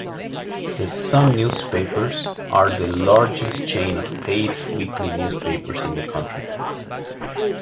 The Sun Newspapers are the largest chain of paid weekly newspapers in the country.